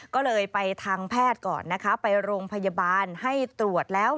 ก็เลยไปทางแพทย์ก่อนนะคะไปโรงพยาบาลให้ตรวจแล้ว